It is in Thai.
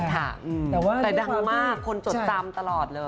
แต่แบบภาพของคนจดทรัมตลอดเลย